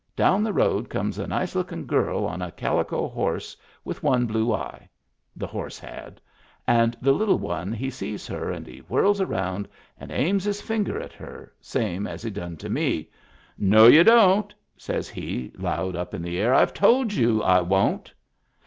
Down the road comes a nice lookin* girl on a calico horse with one blue eye — the horse had — and the little one he sees her and he whirls around and aims his finger at her, same as he done to me. " No, you don't !" says he, loud up in the air. " I've told you I won't."